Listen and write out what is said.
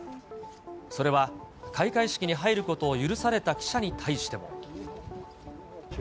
それは開会式に入ることを許された記者に対しても。